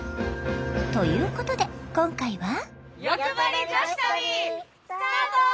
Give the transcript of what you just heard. ということで今回は。